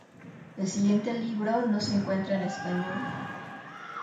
El siguiente libro no se encuentra en español.